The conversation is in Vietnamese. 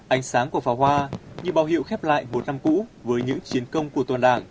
ánh sáng của pháo hoa như bao hiệu khép lại một năm cũ với những chiến công của toàn đảng